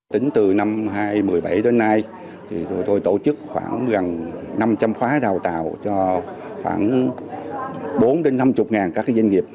tính từ năm hai nghìn một mươi bảy đến nay tụi tôi tổ chức khoảng gần năm trăm linh phái đào tạo cho khoảng bốn năm mươi các doanh nghiệp